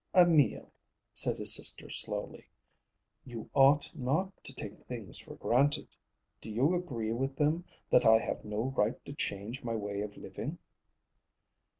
"Emil," said his sister slowly, "you ought not to take things for granted. Do you agree with them that I have no right to change my way of living?"